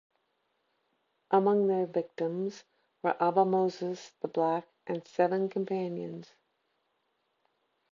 Among their victims were Abba Moses the Black and seven companions.